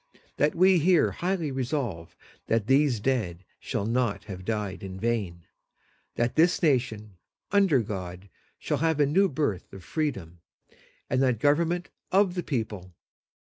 .. that we here highly resolve that these dead shall not have died in vain. .. that this nation, under God, shall have a new birth of freedom. .. and that government of the people.